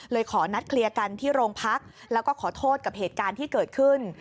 ขอนัดเคลียร์กันที่โรงพักแล้วก็ขอโทษกับเหตุการณ์ที่เกิดขึ้น